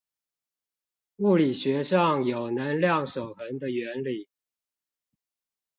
物理學上有能量守恆的原理